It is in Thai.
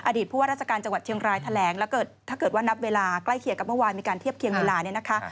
ผู้ว่าราชการจังหวัดเชียงรายแถลงแล้วถ้าเกิดว่านับเวลาใกล้เคียงกับเมื่อวานมีการเทียบเคียงเวลาเนี่ยนะคะ